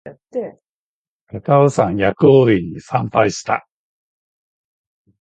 高尾山薬王院に参拝した